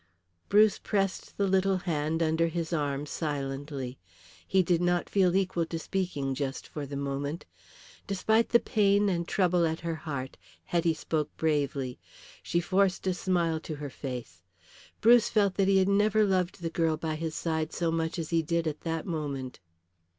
Bruce pressed the little hand under his arm silently. He did not feel equal to speaking just for the moment. Despite the pain and trouble at her heart Hetty spoke bravely. She forced a smile to her face. Bruce felt that he had never loved the girl by his side so much as he did at that moment.